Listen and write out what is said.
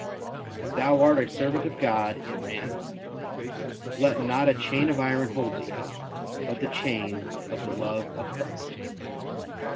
If thou art a servant of God,'' it ran, '' let not a chain of iron hold thee, but the chain of the love of Christ.''